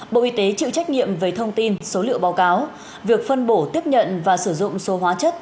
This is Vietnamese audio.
bộ y tế chịu trách nhiệm về thông tin số liệu báo cáo việc phân bổ tiếp nhận và sử dụng số hóa chất